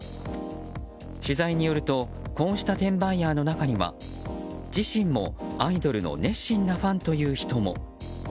取材によるとこうした転売ヤーの中には自身もアイドルの熱心なファンという人も。